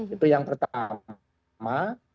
itu yang pertama